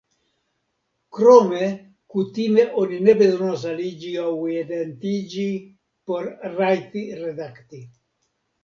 Krome, kutime oni ne bezonas aliĝi aŭ identiĝi por rajti redakti.